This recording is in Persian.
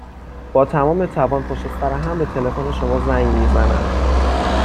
با تمام توان پشت سر هم به تلفن شما زنگ میزنند.